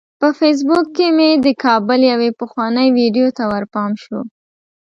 په فیسبوک کې مې د کابل یوې پخوانۍ ویډیو ته ورپام شو.